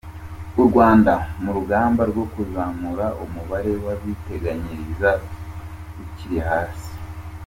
Urwanda mu rugamba rwo kuzamura umubare w’abiteganyiriza ukiri hasi